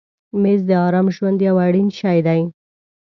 مېز د آرام ژوند یو اړین شی دی.